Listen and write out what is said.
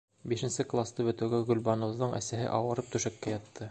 Бишенсе класты бөтөүгә Гөлбаныуҙың әсәһе ауырып түшәккә ятты.